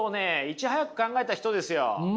いち早く考えた人ですよ。